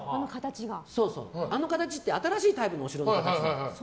あの形って新しいタイプのお城の形だから。